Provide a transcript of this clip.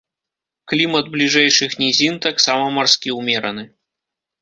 Клімат бліжэйшых нізін таксама марскі ўмераны.